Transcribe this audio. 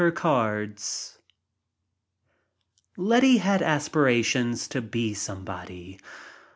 How the ETTY had aspirations to be somebody.